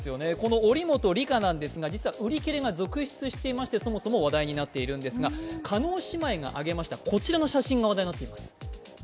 この祈本里香なんですが売り切れが続出しておりましてそもそも話題になっているんですが、叶姉妹が上げましたこちらの写真が話題になっています。